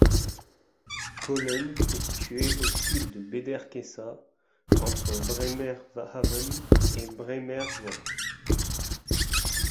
Köhlen est située au sud de Bederkesa, entre Bremerhaven et Bremervörde.